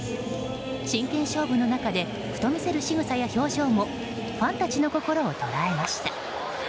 真剣勝負の中でふと見せる、しぐさや表情もファンたちの心をとらえました。